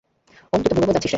ওম, তুই তো বুড়ো হয়ে গেছিস রে।